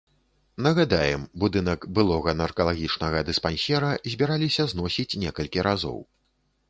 Нагадаем, будынак былога наркалагічнага дыспансера збіраліся зносіць некалькі разоў.